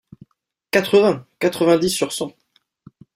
Quatre-vingts!... quatre-vingt-dix sur cent !